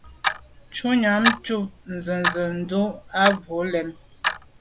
Shutnyàm tshob nzenze ndù à bwôg lem.